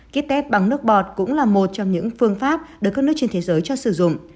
kites bằng nước bọt cũng là một trong những phương pháp được các nước trên thế giới cho sử dụng